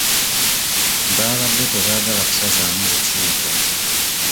Baabadde tebaagala kusazaamu lukiiko.